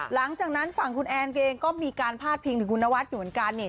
หลังจากนั้นฝั่งคุณแอนเองก็มีการพาดพิงถึงคุณนวัดอยู่เหมือนกันเนี่ย